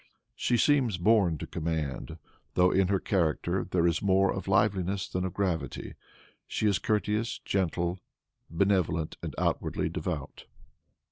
She seems born to command, though in her character there is more of liveliness than of gravity. She is courteous, gentle, benevolent and outwardly devout."